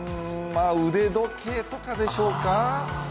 腕時計とかでしょうか？